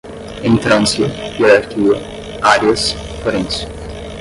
entrância, hierarquia, áreas, forense